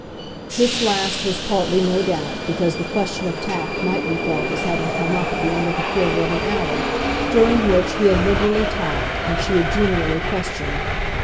This last was partly, no doubt, because the question of tact might be felt as having come up at the end of a quarter of an hour during which he had liberally talked and she had genially questioned.